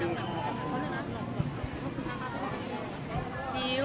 มันเป็นปัญหาจัดการอะไรครับ